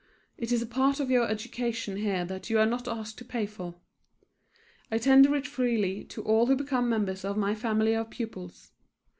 It is a part of your education here that you are not asked to pay for. I tender it freely to all who become members of my family of pupils.